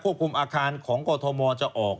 คุมอาคารของกรทมจะออก